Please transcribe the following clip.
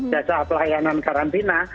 jasa pelayanan karantina